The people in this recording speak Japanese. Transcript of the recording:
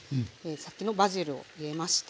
さっきのバジルを入れまして。